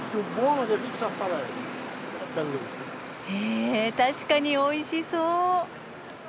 へえ確かにおいしそう。